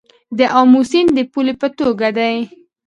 د امو سیند د پولې په توګه دی